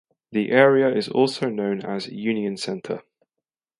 The area is also known as Union Center.